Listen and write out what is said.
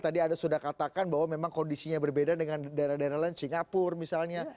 tadi anda sudah katakan bahwa memang kondisinya berbeda dengan daerah daerah lain singapura misalnya